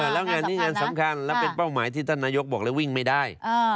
แล้วงานนี้งานสำคัญแล้วเป็นเป้าหมายที่ท่านนายกบอกเลยวิ่งไม่ได้